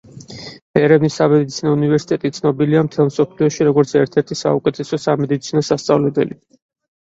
ერევნის სამედიცინო უნივერსიტეტი ცნობილია მთელს მსოფლიოში, როგორც ერთ-ერთი საუკეთესო სამედიცინო სასწავლებელი.